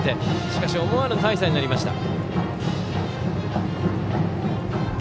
しかし、思わぬ大差になりました。